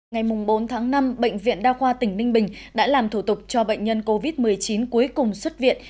ngày bốn tháng năm bệnh viện đa khoa tỉnh ninh bình đã làm thủ tục cho bệnh nhân covid một mươi chín cuối cùng xuất viện